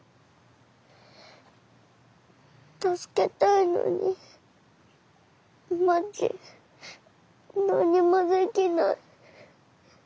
助けたいのにまち何もできない。